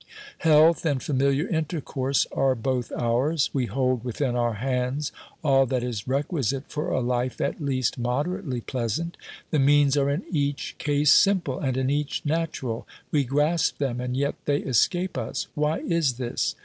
Health and familiar intercourse are both ours ; we hold within our hands all that is requisite for a life at least moderately pleasant ; the means are in each case simple, and in each natural ; we grasp them and yet they escape us. Why is this